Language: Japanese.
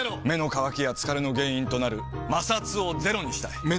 目の渇きや疲れの原因となる摩擦をゼロにしたい。